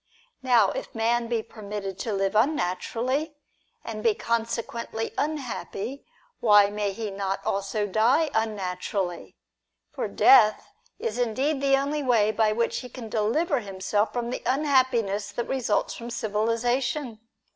Now, if man be permitted to live unnaturally, and be consequently unhappy, why may he not also die unnatu rally ? For death is indeed the only way by which he can deliver himself from the unhappiness that results from civilisation.